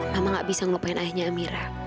mama gak bisa ngelupain ayahnya amira